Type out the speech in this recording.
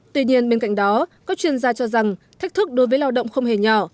tuy nhiên bên cạnh đó các chuyên gia cho rằng thách thức đối với lao động không hề nhỏ